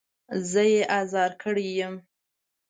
زه يې ازار کړی يم.